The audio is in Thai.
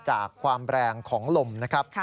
จากความแรงของลมนะครับ